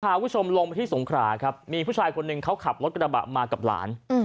คุณผู้ชมลงไปที่สงขราครับมีผู้ชายคนหนึ่งเขาขับรถกระบะมากับหลาน